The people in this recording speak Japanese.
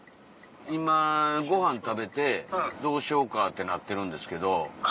今ごはん食べてどうしようかってなってるんですけど。